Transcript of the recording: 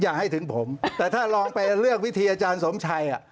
อย่าให้ถึงผมแต่ถ้าลองไปเลือกวิธีอาจารย์สมชัย